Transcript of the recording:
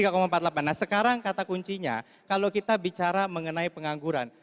nah sekarang kata kuncinya kalau kita bicara mengenai pengangguran